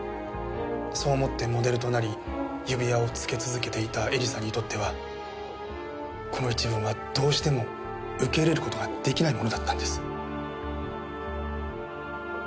そう思ってモデルとなり指輪を着け続けていた絵里さんにとってはこの一文はどうしても受け入れる事が出来ないものだったんです。